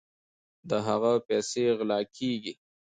د هغه پیسې غلا کیږي.